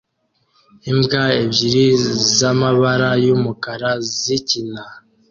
Imbwa ebyiri zamabara yumukara zikina